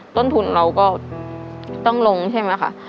ต้นทุนเราก็ต้องลงใช่ไหมคะ